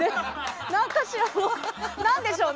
何かしらの、何でしょうね。